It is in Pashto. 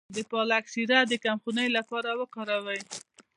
د پالک شیره د کمخونۍ لپاره وکاروئ